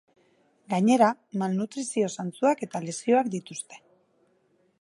Gainera, malnutrizio zantzuak eta lesioak dituzte.